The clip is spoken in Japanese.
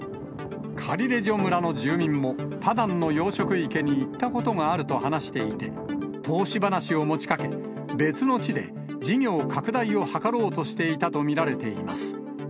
カリレジョ村の住民も、パダンの養殖池に行ったことがあると話していて、投資話を持ちかけ、別の地で、事業拡大を図ろうとしていたと見られています。